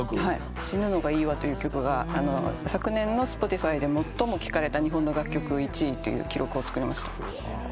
『死ぬのがいいわ』という曲が昨年のＳｐｏｔｉｆｙで最も聞かれた日本の楽曲１位という記録を作りました。